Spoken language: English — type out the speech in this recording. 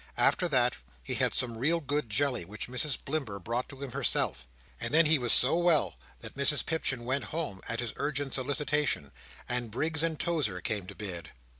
After that, he had some real good jelly, which Mrs Blimber brought to him herself; and then he was so well, that Mrs Pipchin went home, at his urgent solicitation, and Briggs and Tozer came to bed.